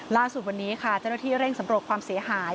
ล่าสุดวันนี้ค่ะเจ้าหน้าที่เร่งสำรวจความเสียหาย